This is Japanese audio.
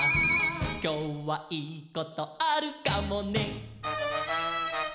「きょうはいいことあるかもね」